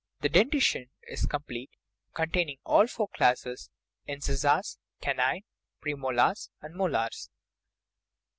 The denti tion is complete, containing all four classes incisors, canine, premolars, and molars.